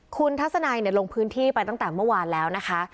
คุณทัศนัยลงพื้นที่ไปตั้งแต่เมื่อวานแล้วนะคะ